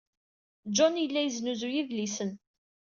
John yella yesnuzuy idlisen.